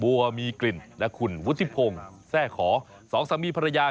วัวมีกลิ่นและคุณวุฒิพงศ์แทร่ขอสองสามีภรรยา